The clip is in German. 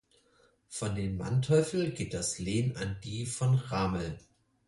Von den Manteuffel geht das Lehen an die von Rahmel.